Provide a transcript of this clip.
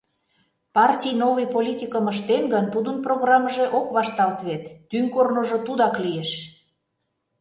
— Партий новый политикым ыштен гын, тудын программыже ок вашталт вет, тӱҥ корныжо тудак лиеш.